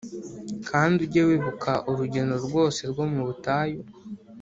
“Kandi ujye wibuka urugendo rwose rwo mu butayu